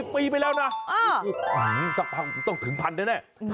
๗๙๐ปีไปแล้วนะอ๋อสักทางต้องถึงพันธุ์แน่ครับ